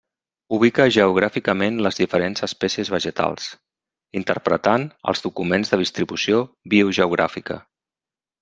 Ubica geogràficament les diferents espècies vegetals, interpretant els documents de distribució biogeogràfica.